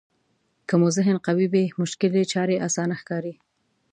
که مو ذهن قوي وي مشکلې چارې اسانه ښکاري.